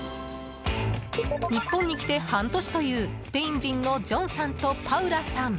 日本に来て半年というスペイン人のジョンさんとパウラさん。